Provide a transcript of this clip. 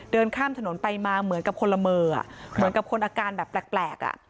เดินข้ามถนนไปมาเหมือนกับคนละมือเหมือนกับคนอาการแบบแปลกอ่ะ